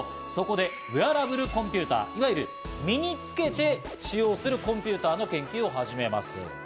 すると、そこでウエアラブルコンピューター、いわゆる身につけて使用するコンピューターの研究を始めます。